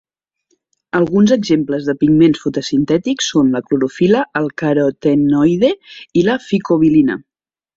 Alguns exemples de pigments fotosintètics són la clorofil·la, el carotenoide i la ficobilina.